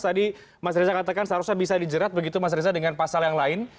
tadi mas reza katakan seharusnya bisa dijerat begitu mas reza dengan pasal yang lain